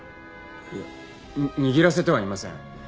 いや握らせてはいません。